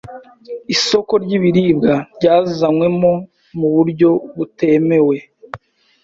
isoko ry'ibiribwa ryazanywemo mu buryo butemewe,